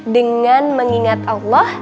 dengan mengingat allah